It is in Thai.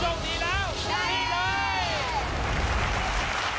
ถ้าผู้ช่องดีแล้ว